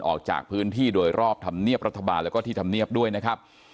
ออกจากพื้นที่โดยรอบธรรมเนียบรัฐบาลแล้วก็ที่ธรรมเนียบด้วยนะครับ